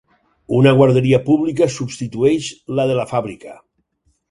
Una guarderia pública substitueix la de la fàbrica.